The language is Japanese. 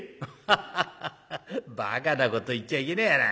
アハハハハバカなこと言っちゃいけねえやな。